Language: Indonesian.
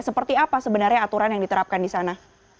seperti apa sebenarnya aturan yang diterapkan di sana